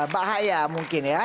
bahaya mungkin ya